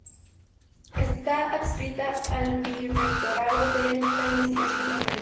Está adscrita al Vicerrectorado de Investigación y Transferencia.